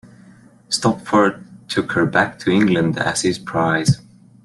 Stopford took her back to England as his prize.